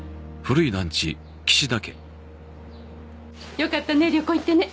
よかったね旅行行ってね